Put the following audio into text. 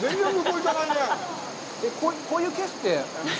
えっ、こういうケースって。